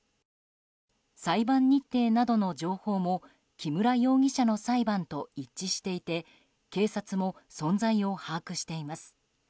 裁判日程などの情報も木村容疑者の裁判と一致していて警察も存在を把握しています。